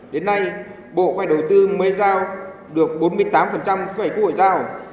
đến nay bộ quay đầu tư mới giao được bốn mươi tám kế hoạch của hội giao